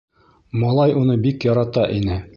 Малай уны бик ярата ине.